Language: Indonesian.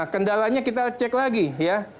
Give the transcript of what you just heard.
kendalanya kita cek lagi ya